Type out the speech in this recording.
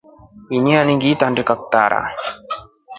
Ini ngilitandika kitanda.